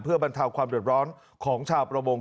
เพื่อบรรเทาความเดือดร้อนของชาวประมง